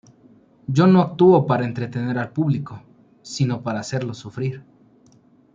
Yo no actúo para entretener al público, sino para hacerlo sufrir.